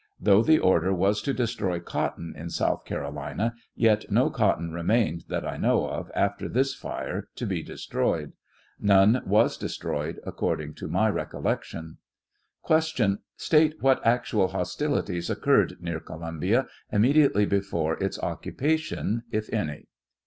Though the order was to destroy cotton in South Carolina, yet no cotton remained that i know of after this fire to be destroyed ; none was destroyed, according to my recollection, Q,. State what actual hostilities occurred near Co lumbia immediately before its occupation, if any